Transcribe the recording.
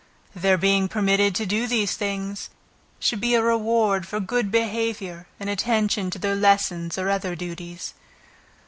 Their being permitted to do these things, should be as a reward for good behavior and attention to their lessons or other duties.